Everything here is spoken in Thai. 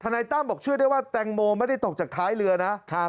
นายตั้มบอกเชื่อได้ว่าแตงโมไม่ได้ตกจากท้ายเรือนะ